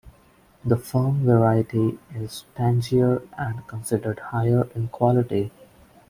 The firm variety is tangier and considered higher in quality.